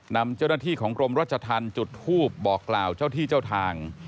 นำเจ้าหน้าที่ของกรมรัชธรรมจุดทูบบอกกล่าวเจ้าที่เจ้าทาง